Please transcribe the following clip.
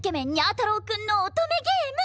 太郎くんの乙女ゲーム！